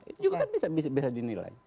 itu juga kan bisa dinilai